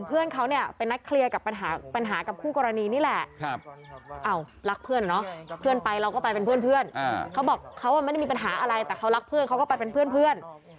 เพื่อนไปเราก็ไปเป็นเพื่อนเขาบอกว่าไม่ได้มีปัญหาอะไรแต่เขารักเพื่อนเขาก็ไปเป็นเพื่อน